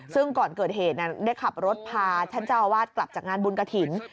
ซึ่งก่อนเกิดเหตุได้ขับรถพาท่านเจ้าอาวาสกลับจากงานบุญกระถิ่น